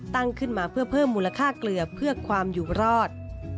ตั้งขึ้นมาเพื่อเพิ่มมูลค่าเกลือเพื่อความอยู่รอด